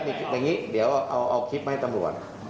อย่างนี้เดี๋ยวเอาคลิปมาให้ตำรวจ